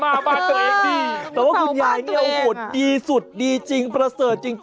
แต่ว่าคุณยายเนี่ยโหดดีสุดดีจริงประเสริฐจริงครับ